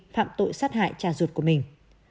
phạm tội sát hại cha ruột của mình